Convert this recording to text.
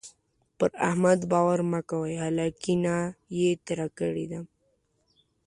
پر احمد باور مه کوئ؛ هلکينه يې تېره کړې ده.